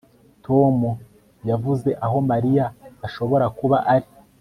Tom yavuze aho Mariya ashobora kuba ari